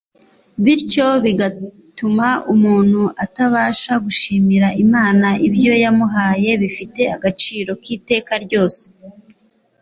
Bityo bigatuma umuntu atabasha gushimira Imana ibyo yamuhaye bifite agaciro k'iteka ryose